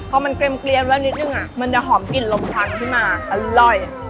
พอมันเกร็มเกรียมแล้วนิดหนึ่งอ่ะมันจะหอมกลิ่นลมทังที่มาอร่อย